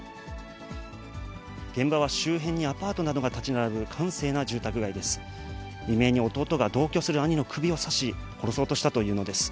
現場は周辺にアパートなどが建ち並ぶ閑静な住宅街です。